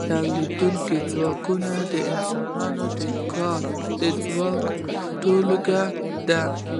تولیدونکي ځواکونه د انسانانو د کاري ځواک ټولګه ده.